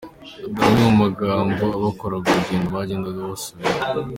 Dore amwe mu magambo abakoraga urugendo bagendaga basubiramo.